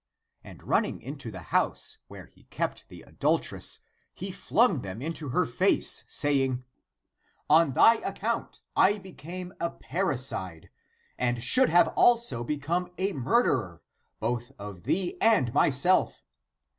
And running into the house, where he kept the adultress, he flung (them) into her face saying, " On thy account I became a parricide, and ( should have also) became (a murderer) both of thee and myself.